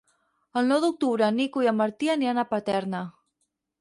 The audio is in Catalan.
El nou d'octubre en Nico i en Martí aniran a Paterna.